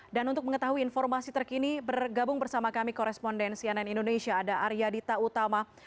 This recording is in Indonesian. untuk mengetahui informasi terkini bergabung bersama kami korespondensi ann indonesia ada arya dita utama